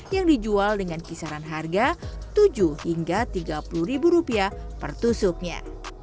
yang dijual dengan kisaran harga tujuh hingga tiga puluh ribu rupiah per tusuknya